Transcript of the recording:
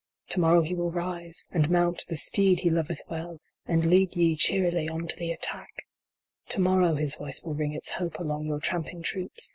To morrow he will rise, and mount the steed he loveth well, and lead ye cheerily on to the attack J To morrow his voice will ring its Hope along your tramping troops